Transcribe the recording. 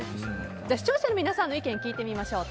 視聴者の皆さんの意見を聞いてみましょう。